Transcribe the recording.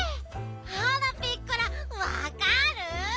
あらピッコラわかる？